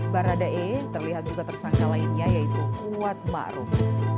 barada e terlihat juga tersangka lainnya yaitu kuat maruf